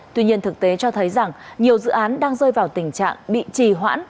tuy nhiên thực tế cho thấy rằng nhiều dự án đang rơi vào tình trạng bị trì hoãn